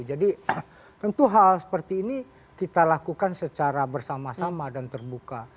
jadi tentu hal seperti ini kita lakukan secara bersama sama dan terbuka